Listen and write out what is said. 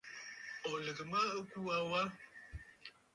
Ò lɨ̀gə̀ mə ɨkuu aa wa?